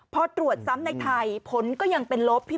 พอตรวจซ้ำในไทยผลก็ยังเป็นลบ